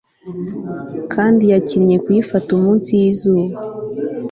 kandi yakinnye kuyifata munsi yizuba